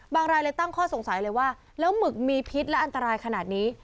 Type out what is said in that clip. รายเลยตั้งข้อสงสัยเลยว่าแล้วหมึกมีพิษและอันตรายขนาดนี้